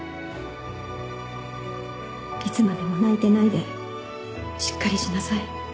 いつまでも泣いてないでしっかりしなさい。